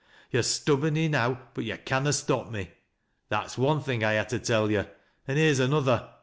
Yo're stub born enow, but yo' canna stop me. That's one thing* I ha' to tell yo,' an here's another.